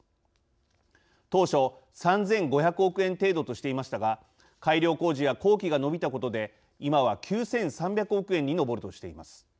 当初３，５００億円程度としていましたが改良工事や工期が延びたことで今は９，３００億円に上るとしています。